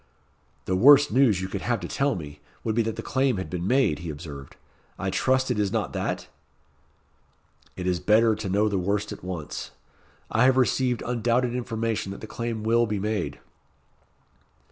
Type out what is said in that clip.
"The worst news you could have to tell me, would be that the claim had been made," he observed. "I trust it is not that?" "It is better to know the worst at once. I have received undoubted information that the claim will be made."